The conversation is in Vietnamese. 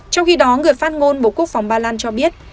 trong khi đó người phát ngôn bộ quốc phòng ba lan cho biết